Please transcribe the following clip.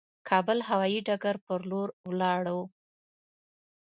کابل هوايي ډګر پر لور ولاړو.